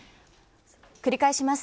繰り返します。